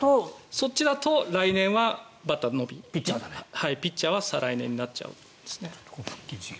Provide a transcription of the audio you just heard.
そっちだと来年はバッターのみピッチャーは再来年になっちゃいます。